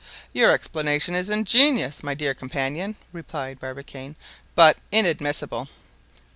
"Your explanation is ingenious, my dear companion," replied Barbicane, "but inadmissible."